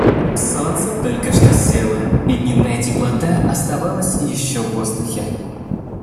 Солнце только что село, и дневная теплота оставалась еще в воздухе.